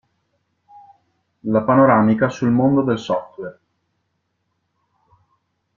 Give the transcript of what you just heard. La panoramica sul mondo del software.